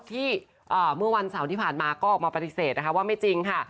เมื่อวันเสาร์ที่ผ่านมาก็ออกมาปฏิเสธนะคะว่าไม่จริงค่ะ